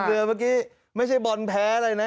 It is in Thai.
เรือเมื่อกี้ไม่ใช่บอลแพ้อะไรนะ